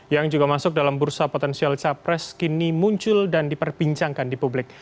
yang juga masuk dalam bursa potensial capres kini muncul dan diperbincangkan di publik